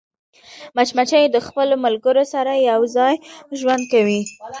مچمچۍ د خپلو ملګرو سره یوځای ژوند کوي